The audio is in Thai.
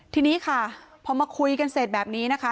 ทีนี้ค่ะพอมาคุยกันเสร็จแบบนี้นะคะ